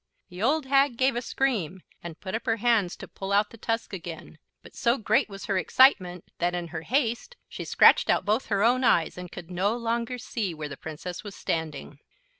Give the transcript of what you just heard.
The old hag gave a scream and put up her hands to pull out the tusk again, but so great was her excitement that in her haste she scratched out both her own eyes, and could no longer see where the Princess was standing.